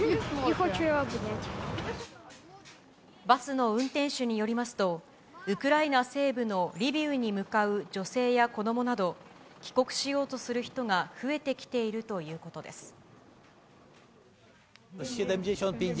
バスの運転手によりますと、ウクライナ西部のリビウに向かう女性や子どもなど、帰国しようとする人が増えてきているということです。